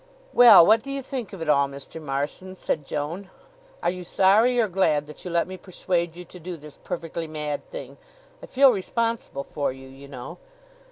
"Well, what do you think of it all, Mr. Marson?" said Joan. "Are you sorry or glad that you let me persuade you to do this perfectly mad thing? I feel responsible for you, you know.